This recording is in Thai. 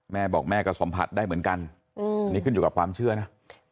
แม่บอกแม่ก็สัมผัสได้เหมือนกันนี่ขึ้นอยู่กับความเชื่อนะ